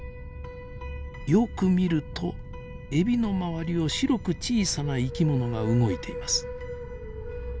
よく見るとエビの周りを白く小さな生き物が動いています。